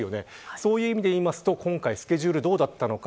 そういう意味でいうと、今回スケジュールどうだったのか。